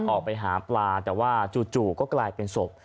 ออกไปหาปลาแต่ว่าจู่ก็กลายเป็นศพ